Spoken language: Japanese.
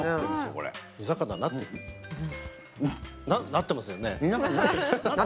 なってますよね。